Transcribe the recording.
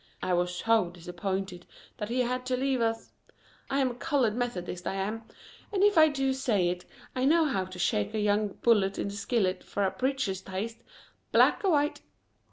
I was sho' disappointed that he had to leave us. I'm a Colored Methodist, I am, and if I do say it, I knows how to shake a young pullet in the skillet fer a preacher's taste, black or white.